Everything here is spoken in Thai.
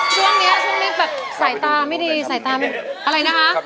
ช่วงนี้แบบใส่ตาไม่ดีอะไรนะครับ